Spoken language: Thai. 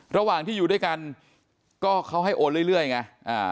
ระหว่างที่อยู่ด้วยกันก็เขาให้โอนเรื่อยไง